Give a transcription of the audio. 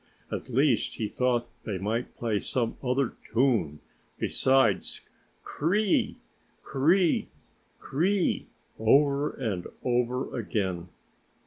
At least, he thought they might play some other tune besides cr r r i! cr r r i! cr r r i! over and over again.